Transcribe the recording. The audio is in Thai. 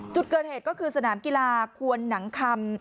จุดเกิดเหตุก็คือสนามกีฬาควนหนังคำ